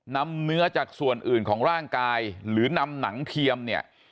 นำเนื้อจากส่วนอื่นของร่างกายหรือนำหนังเทียมเนี่ย